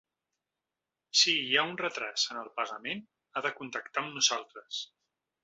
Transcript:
Si hi ha un retràs en el pagament ha de contactar amb nosaltres.